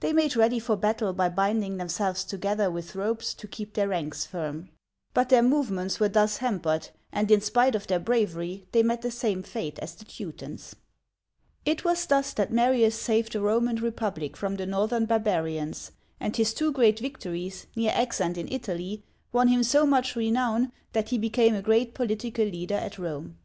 They made ready for battle by binding themselves together with ropes to keep their ranks firm ; but their movements were thus hampered, and in spite of their bravery they met the same fate as the Teutons.^ It was thus that Marius saved the Roman Republic from the northern barbarians, and his two great victories (near Aix and in Italy) won him so much renown that he became a great political leader at Rome.